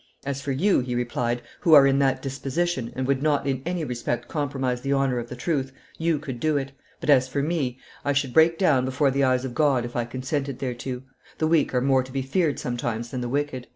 "As for you," he replied, "who are in that disposition, and would not in any respect compromise the honor of the truth, you could do it; but as for me, I should break down before the eyes of God if I consented thereto; the weak are more to be feared sometimes than the wicked."